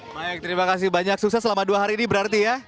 baik terima kasih banyak sukses selama dua hari ini berarti ya